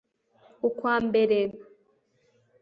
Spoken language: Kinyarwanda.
ukwa mbere